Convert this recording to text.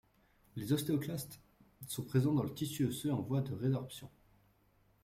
Les ostéoclastes sont présents dans le tissu osseux en voie de résorption.